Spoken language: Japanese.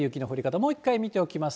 もう一回見ておきます。